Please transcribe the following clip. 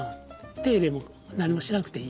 手入れも何もしなくていい。